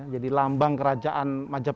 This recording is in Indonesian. jadi lambang kerajaan